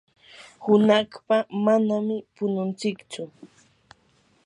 hunaqpa manami pununtsichu.